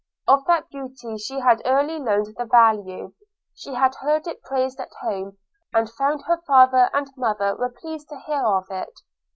Of that beauty she had early learned the value: she had heard it praised at home, and found her father and mother were pleased to hear of it.